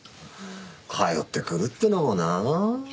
通ってくるってのもなあ。